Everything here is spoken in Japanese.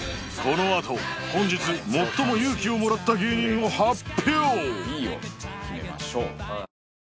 このあと本日最も勇気をもらった芸人を発表！